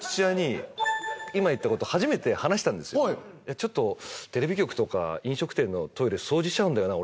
ちょっとテレビ局とか飲食店のトイレ掃除しちゃうんだよな俺。